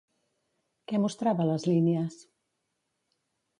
Què mostrava les línies?